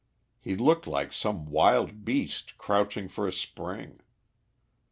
He looked like some wild beast crouching for a spring.